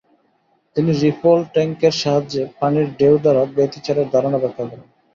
তিনি রিপল ট্যাঙ্কের সাহায্যে পানির ঢেউ দ্বারা ব্যাতিচারের ধারণা ব্যাখা করেন।